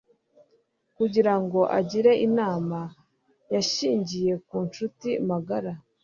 Kugira ngo agire inama, yashingiye ku nshuti magara.